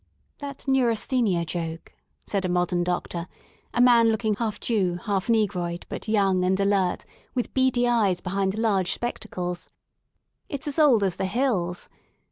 That Neurasthenia joke," said a modern doctor, a man looking half Jew, half negroid, but young and alert with beady eyes behind large spectacles, It's as old as the hills.